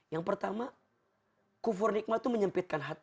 yang pertama kufur nikmat itu menyempitkan hati